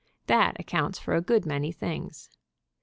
That accounts for a good many things.